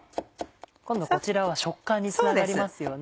今度こちらは食感につながりますよね。